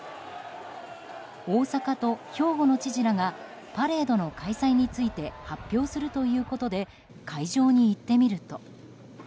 大阪と兵庫の知事らがパレードの開催について発表するということで会場に行ってみると。